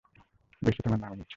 বৃষ্টি থামার নামই নিচ্ছে না।